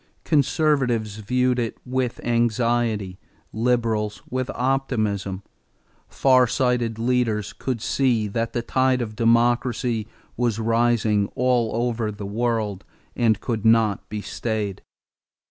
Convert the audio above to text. Conservatives viewed it with anxiety; liberals with optimism. Far sighted leaders could see that the tide of democracy was rising all over the world and could not be stayed.